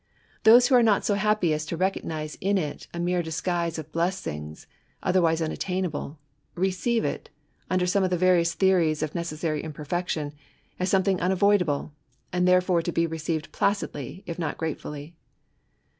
Thojse who are jQot so happy as to recognise in it ^ mere disguise of blessings otherwise unattainable, receive it, under some of the various theories of necessary imperfection, as something unavoidable, and there? fore to be received placidly, if not gratefiiUy.